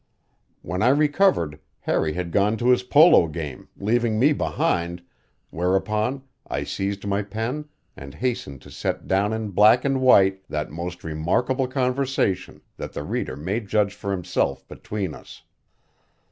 When I recovered Harry had gone to his polo game, leaving me behind, whereupon I seized my pen and hastened to set down in black and white that most remarkable conversation, that the reader may judge for himself between us.